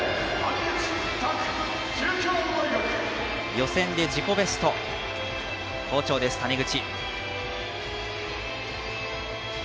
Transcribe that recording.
予選で自己ベスト好調です、谷口。